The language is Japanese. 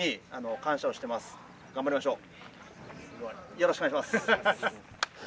よろしくお願いします！